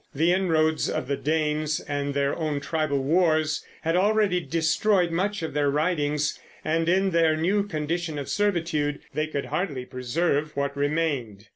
The inroads of the Danes and their own tribal wars had already destroyed much of their writings, and in their new condition of servitude they could hardly preserve what remained.